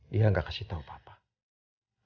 dia tidak kasih tahu bapak